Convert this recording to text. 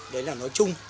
đấy là nói chung